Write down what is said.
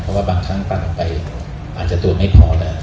เพราะว่าบางครั้งปั่นออกไปอาจจะตรวจไม่พอได้